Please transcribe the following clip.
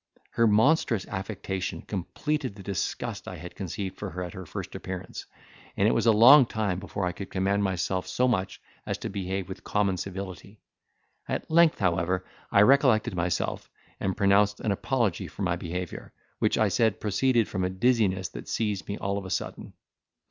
Her monstrous affectation completed the disgust I had conceived for her at her first appearance, and it was a long time before I could command myself so much as to behave with common civility: at length, however, I recollected myself, and pronounced an apology for my behaviour, which I said proceeded from a dizziness that seized me all of a sudden.